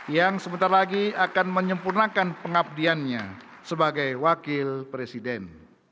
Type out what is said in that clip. yang sebentar lagi akan menyempurnakan pengabdiannya sebagai wakil presiden